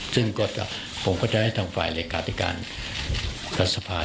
ซึ่งก็จะผมก็จะให้ทางฝ่ายหลักการติการกฎสภา